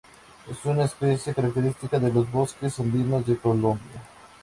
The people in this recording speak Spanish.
Es una especie característica de los bosques andinos de Colombia.